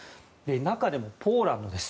中でもポーランドです。